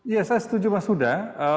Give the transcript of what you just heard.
ya saya setuju mas huda